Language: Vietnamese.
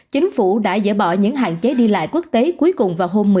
chính phủ đã dỡ bỏ những hạn chế đi lại quốc tế cuối cùng